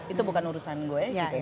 itu bukan urusan gue